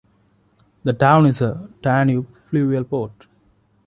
The town is a Danube fluvial port.